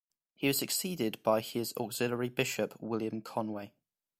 He was succeeded by his auxiliary bishop, William Conway.